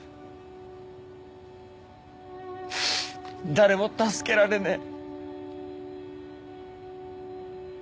誰も助けられねえ。